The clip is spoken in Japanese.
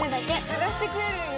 探してくれるんよ。